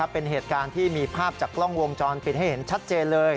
เป็นเหตุการณ์ที่มีภาพจากกล้องวงจรปิดให้เห็นชัดเจนเลย